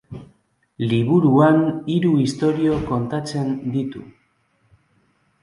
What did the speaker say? Liburuan hiru istorio kontatzen ditu.